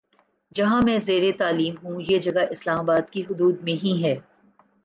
جہاں میں زیرتعلیم ہوں یہ جگہ اسلام آباد کی حدود میں ہی ہے